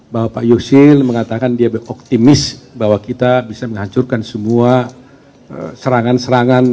bahwa pak yusil mengatakan dia optimis bahwa kita bisa menghancurkan semua serangan serangan